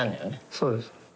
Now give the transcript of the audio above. そうです。